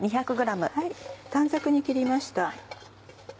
短冊に切りました。